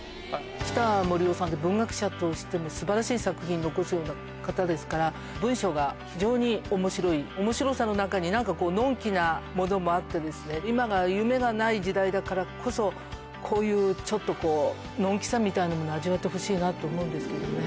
北杜夫さんって文学者としてもすばらしい作品残すような方ですから、文章が非常におもしろい、おもしろさの中に、なんかこう、のんきなものもあってですね、今が夢がない時代だからこそ、こういう、ちょっとこう、のんきさみたいなものを味わってほしいなと思うんですけどね。